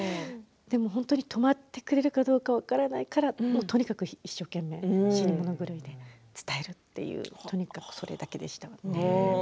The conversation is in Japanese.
でも本当に止まってくれるかどうか分からないからとにかく一生懸命死に物狂いで伝えるというとにかくそれだけでしたね。